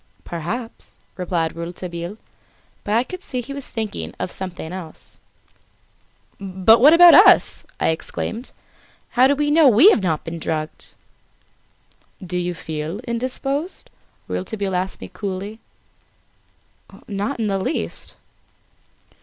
"Perhaps," replied Rouletabille; but I could see he was thinking of something else. "But what about us?" I exclaimed. "How do we know that we have not been drugged?" "Do you feel indisposed?" Rouletabille asked me coolly. "Not in the least."